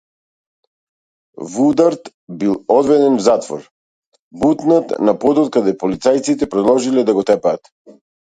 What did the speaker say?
Вудард бил одведен в затвор, бутнат на подот каде полицајците продолжиле да го тепаат.